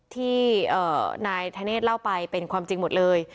ที่นายธเนธเล่าไปเป็นความจริงหมดเลย